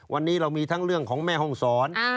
วันนี้เรามีทั้งเรื่องของแม่ห้องศร